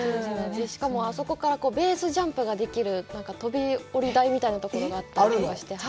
しかも、あそこからベースジャンプができる、飛び降り台みたいなところがあったりもして。